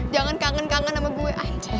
jangan kangen kangen sama gue aja